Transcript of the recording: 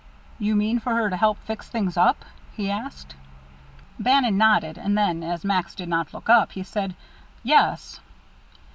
"You mean for her to help fix things up?" he asked. Bannon nodded; and then, as Max did not look up, he said, "Yes."